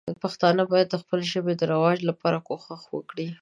پښتانه باید د خپلې ژبې د رواج لپاره کوښښ وکړي.